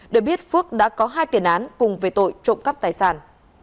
để biết phước đã có hai tiền án cùng về tội trộm cắp tài sản